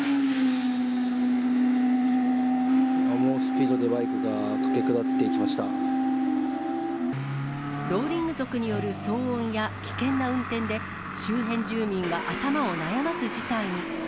猛スピードでバイクが駆け下ローリング族による騒音や危険な運転で、周辺住民が頭を悩ます事態に。